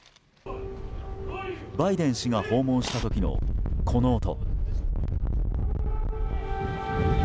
バイデン氏が訪問した時のこの音。